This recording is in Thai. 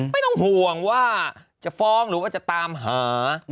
ไม่ต้องห่วงว่าจะฟ้องหรือว่าจะตามหา